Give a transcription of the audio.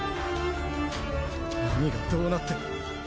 何がどうなってる？